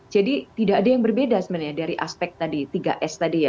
jadi tidak ada yang berbeda sebenarnya dari aspek tadi tiga s tadi ya